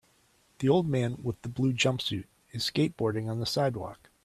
The old man with the blue jumpsuit is skateboarding on the sidewalk.